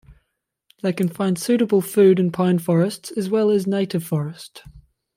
They can find suitable food in pine forests as well as native forest.